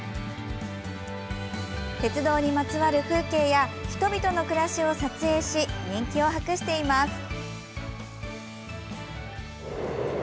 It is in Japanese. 鉄道にまつわる風景や人々の暮らしを撮影し人気を博しています。